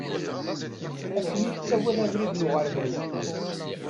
Akken i ttawin abrid n uɣerbaz.